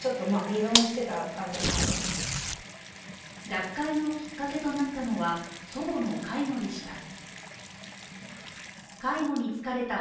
脱会のきっかけとなったのは祖母の介護でした。